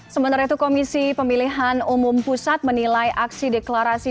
sementara itu komisi pemilihan umum pusat menilai aksi deklarasi